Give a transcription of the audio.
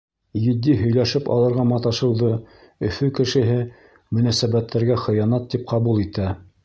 Етди һөйләшеп алырға маташыуҙы Өфө кешеһе мөнәсәбәттәргә хыянат тип ҡабул итә.